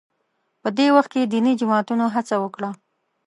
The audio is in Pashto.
په دې وخت کې دیني جماعتونو هڅه وکړه